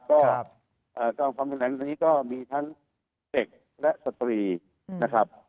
ก็ความรุนแรงในครอบครัวนี้ก็มีทั้งเด็กและสตรีนะครับ